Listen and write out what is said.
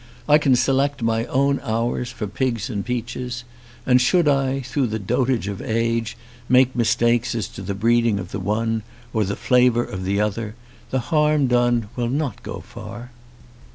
I can select my own hours for pigs and peaches, and should I, through the dotage of age, make mistakes as to the breeding of the one or the flavour of the other, the harm done will not go far.